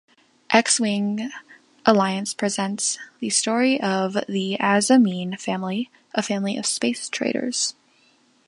"X-Wing Alliance" presents the story of the Azzameen family, a family of space traders.